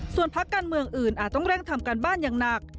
ส่วนพักการเมืองอื่นอาจต้องเร่งทำการบ้านอย่างหนัก